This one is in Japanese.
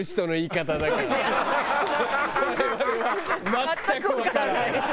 全くわからない。